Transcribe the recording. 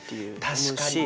確かにね。